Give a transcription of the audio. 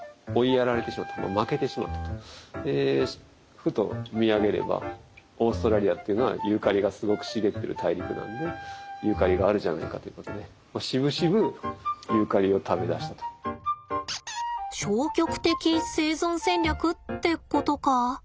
ふと見上げればオーストラリアっていうのはユーカリがすごく茂っている大陸なのでユーカリがあるじゃないかということで消極的生存戦略ってことか？